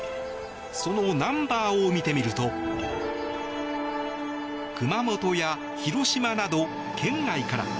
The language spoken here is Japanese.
そのナンバーを見てみると熊本や広島など県外から。